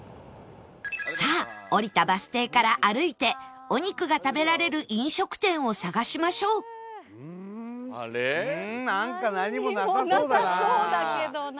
さあ降りたバス停から歩いてお肉が食べられる飲食店を探しましょうないと思いますね。